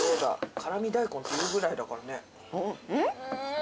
辛味大根っていうくらいだからね。